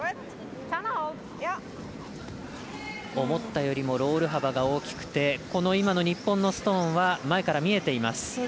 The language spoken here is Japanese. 思ったよりもロール幅が大きくてこの今の日本のストーンは前から見えています。